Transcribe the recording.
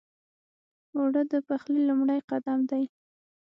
اوړه د پخلي لومړی قدم دی